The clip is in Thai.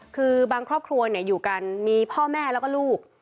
คือบางครอบครัวอยู่กันมีพ่อแม่แล้วก็ลูก